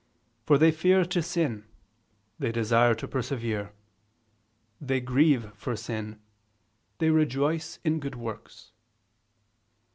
. For they fear to sin, they desire to persevere; they grieve for sin, they rejoice in good works."